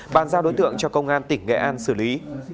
bàn giao đối tượng cho công an tỉnh nghệ an xử lý